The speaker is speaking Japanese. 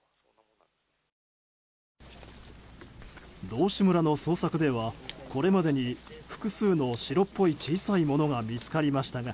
道志村の捜索ではこれまでに複数の白っぽい小さいものが見つかりましたが